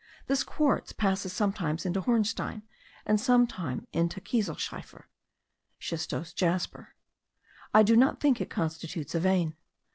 This quartz passes sometimes into hornstein, and sometimes into kieselschiefer (schistose jasper). I do not think it constitutes a vein.